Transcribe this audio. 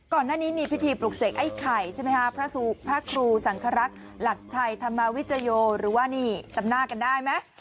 ก่อนหน้านี้มีพิธีปลุกเสกไอ้ไข่ใช่ไหมคะพระครูสังครักษ์หลักชัยธรรมวิจโยหรือว่านี่จำหน้ากันได้ไหม